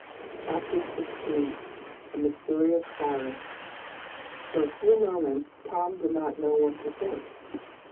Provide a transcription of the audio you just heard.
Chapter Sixteen A Mysterious Fire For a few moments Tom did not know what to think.